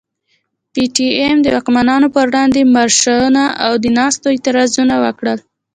پي ټي ايم د واکمنو پر وړاندي مارشونه او د ناستو اعتراضونه وکړل.